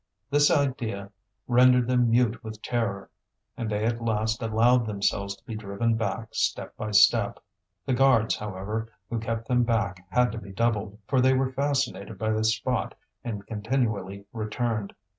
This idea rendered them mute with terror, and they at last allowed themselves to be driven back step by step; the guards, however, who kept them back had to be doubled, for they were fascinated by the spot and continually returned.